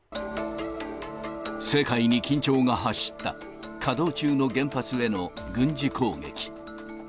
世界に緊張が走った、稼働中の原発への軍事攻撃。